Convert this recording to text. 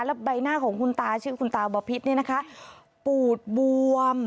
แล้วใบหน้าของคุณตาชื่อคุณตาบาพิษปูดบวม